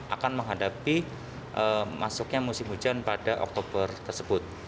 akan menghadapi masuknya musim hujan pada oktober tersebut